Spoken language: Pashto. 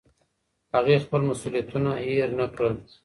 هغې خپل مسوولیتونه هېر نه کړل.